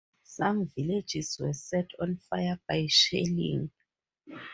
Some villages were set on fire by shelling.